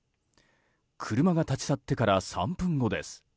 車が立ち去ってから３分後です。